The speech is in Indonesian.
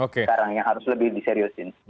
sekarang yang harus lebih diseriusin